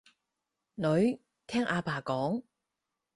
女，聽阿爸講